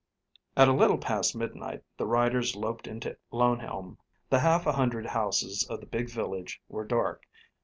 At a little past midnight the riders loped into Lone Elm. The half a hundred houses of the big village were dark.